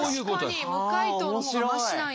確かに無回答の方がマシなんや。